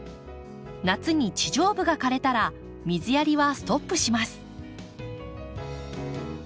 夏に地上部が枯れたら水やりはストップします。